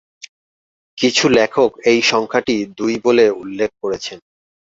কিছু লেখক এ সংখ্যাটি দুই বলে উল্লেখ করেছেন।